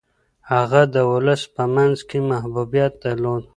هغه د ولس په منځ کي محبوبیت درلود.